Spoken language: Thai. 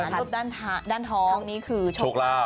รูปด้านท้องนี่คือโชคลาภ